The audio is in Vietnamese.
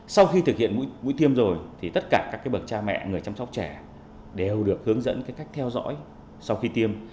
sau khi thực hiện mũi tiêm rồi tất cả các bậc cha mẹ người chăm sóc trẻ đều được hướng dẫn cách theo dõi sau khi tiêm